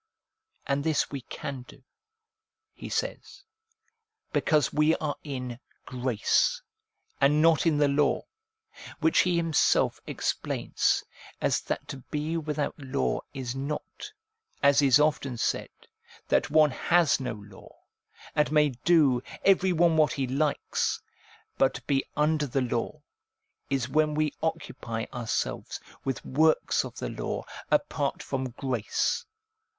And this we can do, he says, because we are in grace, and not in the law. Which he himself explains, as that to be without law is not, as is often said, that one has no law, and may do, everyone what he likes ; but to be under the law, is when we occupy ourselves with works of the law apart from grace.